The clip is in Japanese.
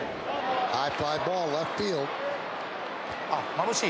まぶしい？